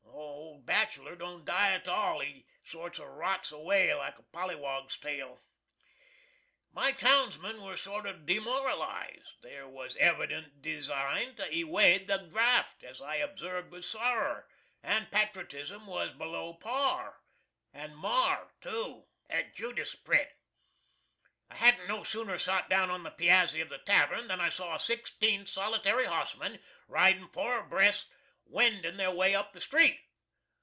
The old bachelor don't die at all he sort of rots away, like a pollywog's tail. .... My townsmen were sort o' demoralized. There was a evident desine to ewade the Draft, as I obsarved with sorrer, and patritism was below Par and MAR, too. [A jew desprit.] I hadn't no sooner sot down on the piazzy of the tavoun than I saw sixteen solitary hossmen, ridin' four abreast, wendin' their way up the street.